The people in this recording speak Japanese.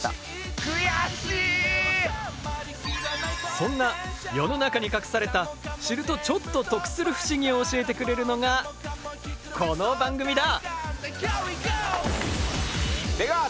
そんな世の中に隠された知るとちょっと得する不思議を教えてくれるのがこの番組だ！